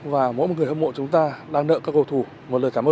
và mỗi một người hâm mộ chúng ta đang nợ các cầu thủ một lời cảm ơn